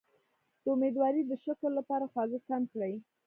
د امیدوارۍ د شکر لپاره خواږه کم کړئ